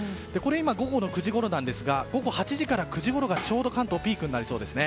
午後９時ごろの画像ですが午後８時から９時ごろがちょうど関東がピークになっていきそうです。